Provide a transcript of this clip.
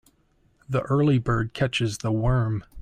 The early bird catches the worm.